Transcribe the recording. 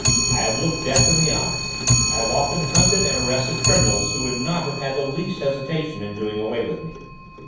I have looked death in the eyes; I have often hunted and arrested criminals who would not have had the least hesitation in doing away with me.